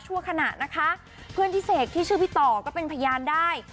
ขณะนะคะเพื่อนพี่เสกที่ชื่อพี่ต่อก็เป็นพยานได้